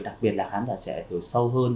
đặc biệt là khán giả trẻ hiểu sâu hơn